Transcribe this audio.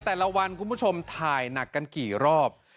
แต่ละวันคุณผู้ชมถ่ายหนักกันกี่รอบ